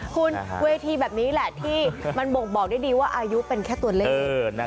คุณเวทีแบบนี้แหละที่มันบ่งบอกได้ดีว่าอายุเป็นแค่ตัวเลข